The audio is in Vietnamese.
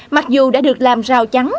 mặc dù đã được làm rào trắng